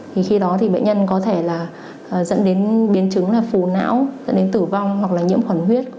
thì khi đó thì bệnh nhân có thể là dẫn đến biến chứng là phù não dẫn đến tử vong hoặc là nhiễm khuẩn huyết